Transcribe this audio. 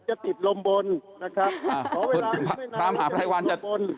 จะติดลมบนนะครับเพราะเวลานี้ไม่นานจะติดลมบน